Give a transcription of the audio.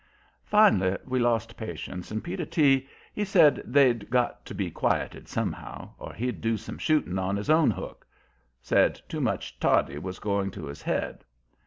Finally we lost patience, and Peter T., he said they'd got to be quieted somehow, or he'd do some shooting on his own hook; said too much Toddy was going to his head.